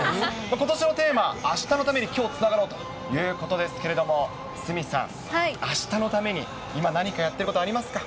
ことしのテーマ、明日のために、今日つながろう。ということですけれども、鷲見さん、あしたのために今何かやってることありますか？